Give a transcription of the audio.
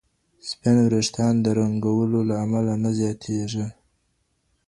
سپین وریښتان د رنګولو له امله نه زیاتېږي.